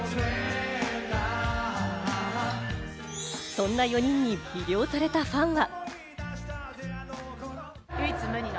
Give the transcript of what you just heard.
そんな４人に魅了されたファンは。